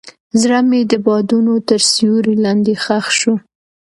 زړه مې د بادونو تر سیوري لاندې ښخ شو.